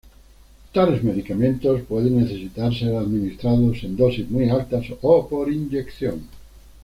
Tales medicamentos pueden necesitar ser administrados en dosis muy altas o por inyección.